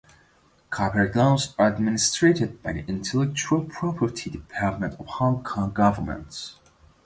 Copyright laws are administered by the Intellectual Property Department of the Hong Kong Government.